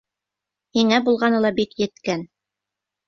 — Һиңә булғаны ла бик еткән...